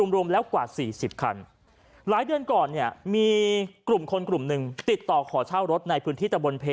รวมแล้วกว่า๔๐คันหลายเดือนก่อนเนี่ยมีกลุ่มคนกลุ่มหนึ่งติดต่อขอเช่ารถในพื้นที่ตะบนเพ